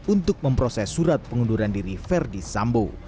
untuk memproses surat pengunduran diri verdi sambo